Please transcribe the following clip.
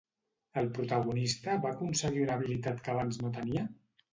El protagonista va aconseguir una habilitat que abans no tenia?